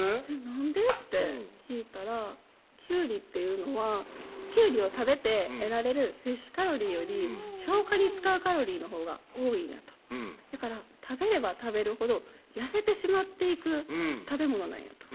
「なんで？」って聞いたら「キュウリっていうのはキュウリを食べて得られる摂取カロリーより消化に使うカロリーのほうが多いんや」と「だから食べれば食べるほど痩せてしまっていく食べ物なんや」